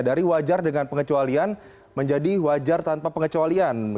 dari wajar dengan pengecualian menjadi wajar tanpa pengecualian